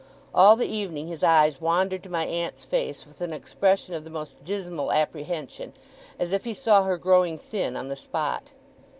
All the evening his eyes wandered to my aunt's face, with an expression of the most dismal apprehension, as if he saw her growing thin on the spot.